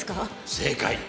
正解！